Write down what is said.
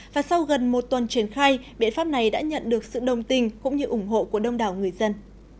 và sau gần một tuần triển khai biện pháp này đã nhận được sự đồng tình cũng như ủng hộ của đông đảo người dân